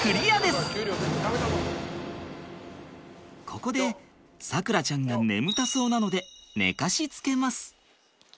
ここで咲楽ちゃんが眠たそうなので寝かしつけます。